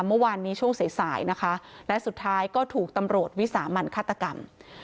เมื่อวานนี้ช่วงสายสายนะคะและสุดท้ายก็ถูกตำรวจวิสามันฆาตกรรม